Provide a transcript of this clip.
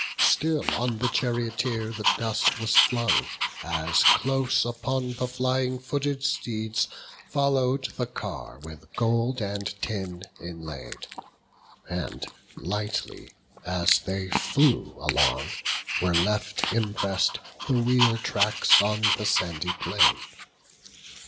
Still on the charioteer the dust was flung; As close upon the flying footed steeds Follow'd the car with gold and tin inlaid; And lightly, as they flew along, were left Impress'd the wheel tracks on the sandy plain.